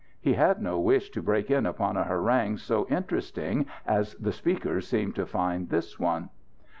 He had no wish to break in upon a harangue so interesting as the speaker seemed to find this one.